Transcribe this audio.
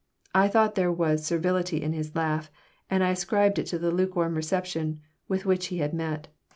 I thought there was servility in his laugh, and I ascribed it to the lukewarm reception with which he had met.